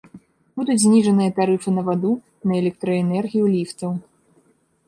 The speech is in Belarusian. Будуць зніжаныя тарыфы на ваду, на электраэнергію ліфтаў.